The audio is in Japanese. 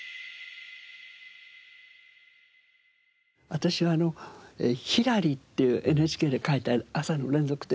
私は『ひらり』っていうＮＨＫで書いた朝の連続テレビ小説。